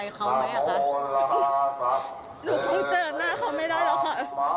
หนูคงเจอหน้าเขาไม่ได้แล้วค่ะ